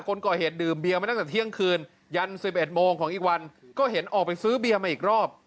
คนก่อเหตุดื่มเบียมาตั้งแต่เที่ยงคืนยัน๑๑โมงของอีกวันก็เห็นออกไปซื้อเบียร์มาอีกรอบ